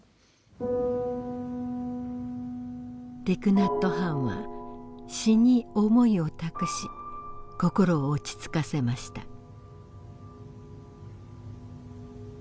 ティク・ナット・ハンは詩に思いを託し心を落ち着かせました。